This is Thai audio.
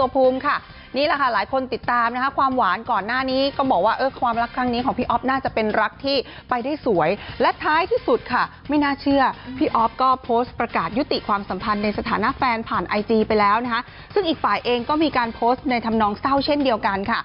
พี่อ๊อกก็โปสต์ประกาศยุติความสัมพันธ์ในสถานะแฟนผ่านไอจีไปแล้วซึ่งอีกฝ่ายเองก็มีการโปสต์ในทำนองเศร้าเช่นเดียวกัน